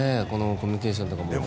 コミュニケーションとかも。